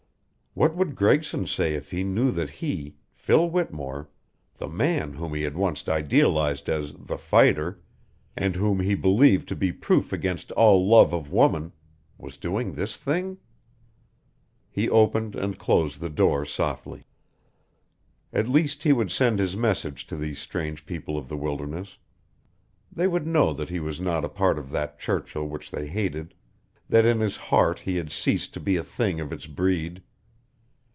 What would Gregson say if he knew that he Phil Whittemore, the man whom he had once idealized as "The Fighter," and whom he believed to be proof against all love of woman was doing this thing? He opened and closed the door softly. At least he would send his message to these strange people of the wilderness. They would know that he was not a part of that Churchill which they hated, that in his heart he had ceased to be a thing of its breed.